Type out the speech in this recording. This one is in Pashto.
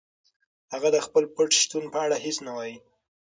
هغه د خپل پټ شتون په اړه هیڅ نه وايي.